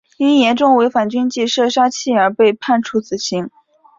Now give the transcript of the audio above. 因严重违反军纪射杀妻儿而被判处死刑。